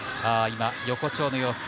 横丁の様子